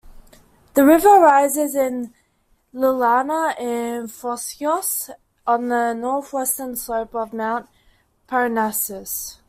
The river rises at Lilaia in Phocis, on the northwestern slope of Mount Parnassus.